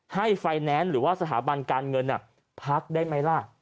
ให้ไฟแนนซ์หรือว่าสถาบันการเงินพักได้ไหมล่ะ